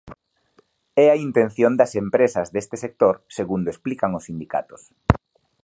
É a intención das empresas deste sector segundo explican os sindicatos.